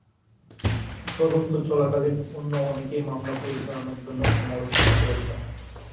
তদন্ত চলাকালীন অন্য অনেকেই মামলা পরিচালনার জন্য সমালোচনা করেছেন।